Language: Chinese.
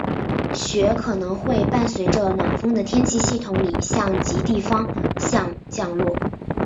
雪可能会伴随着暖锋的天气系统里向极地方向降落。